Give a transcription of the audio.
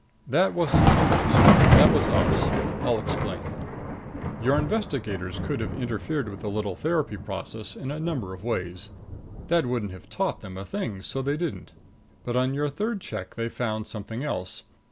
That wasn't somebody's fault. That was us. I'll explain. "Your investigators could have interfered with the little therapy process in a number of ways. That wouldn't have taught them a thing, so they didn't. But on your third check they found something else.